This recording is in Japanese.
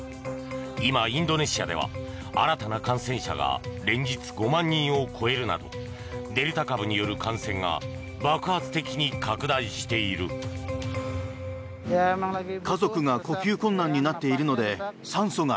今、インドネシアでは新たな感染者が連日５万人を超えるなどデルタ株による感染が爆発的に拡大している。